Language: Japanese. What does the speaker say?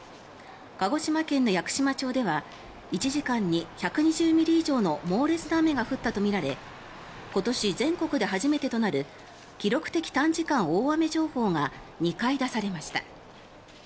鹿児島県の屋久島町では１時間に１２０ミリ以上の猛烈な雨が降ったとみられ今年全国で初めてとなる記録的短時間大雨情報が２回出されました。